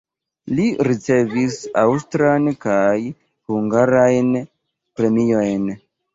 Li ricevis aŭstran kaj hungarajn premiojn.